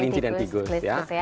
klinci dan tikus ya